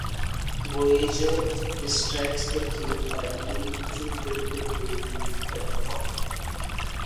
"Voyager" distracts the Cube while they infiltrate the cube but are caught.